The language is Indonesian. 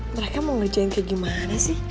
mereka mau ngerjain kayak gimana sih